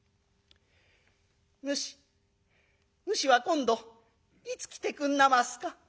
「ぬしぬしは今度いつ来てくんなますか」。